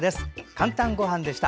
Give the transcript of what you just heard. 「かんたんごはん」でした。